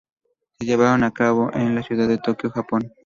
Se llevaron a cabo en la ciudad de Tokio, Japón.